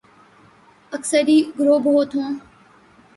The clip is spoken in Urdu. عسکری گروہ بہت ہوں۔